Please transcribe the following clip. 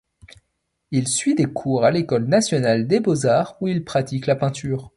Il suit des cours à l'École nationale des beaux-arts, où il pratique la peinture.